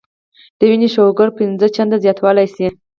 د وينې شوګر پنځه چنده زياتولے شي -